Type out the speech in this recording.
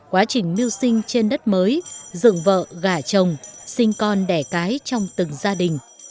quá trình miêu sinh trên đất mới dựng vợ gả chồng sinh con đẻ cái trong từng gia đình